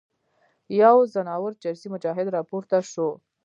یو څڼور چرسي مجاهد راپورته شو.